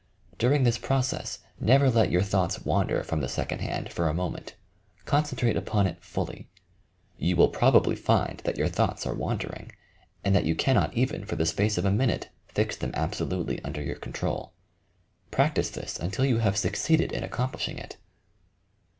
During this process never let your thoughts wander from the second hand for a moment. Concen trate upon it fully. You will probably find that your thoughts are wandering, and that you cannot even for the space of a minute fix them absolutely under your control. Practise this until you have succeeded in ac complishing it.